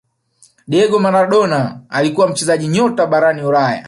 Diego Maradona alikuwa mchezaji nyota barani ulaya